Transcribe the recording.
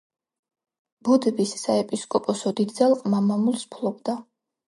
ბოდბის საეპისკოპოსო დიდძალ ყმა-მამულს ფლობდა.